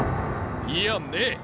いやねえ！